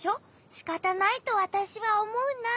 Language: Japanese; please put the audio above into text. しかたないとわたしはおもうな。